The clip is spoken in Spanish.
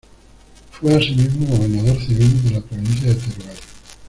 Fue asimismo Gobernador Civil de la provincia de Teruel.